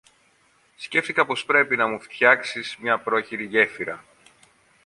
Σκέφθηκα πως πρέπει να μου φτιάσεις μια πρόχειρη γέφυρα.